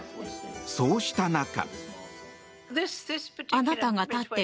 そうした中。